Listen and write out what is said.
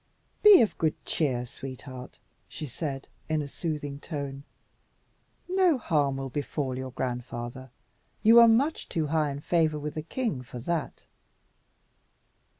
"Be of good cheer, sweetheart," she said, in a soothing tone; "no harm will befall your grandfather. You are much too high in favour with the king for that."